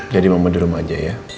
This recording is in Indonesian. jadi mama di rumah aja ya